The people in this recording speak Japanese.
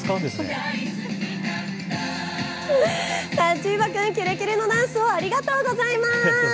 チーバくん、キレキレのダンスをありがとうございます。